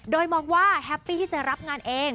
โดยมองว่าแฮปปี้ที่จะรับงานเอง